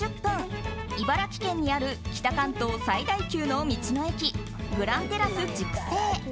茨城県にある北関東最大級の道の駅グランテラス筑西。